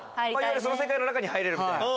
その世界の中に入れるみたいな。